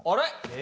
え！